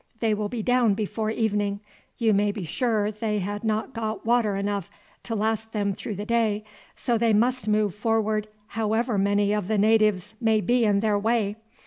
They will be down before evening. You may be sure they had not got water enough to last them through the day, so they must move forward however many of the natives may be in their way.